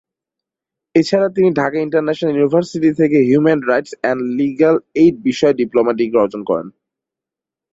এছাড়া তিনি Dhaka International University থেকে human rights and legal aid বিষয়ে ডিপ্লোমা ডিগ্রি অর্জন করেন।